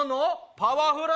パワフル。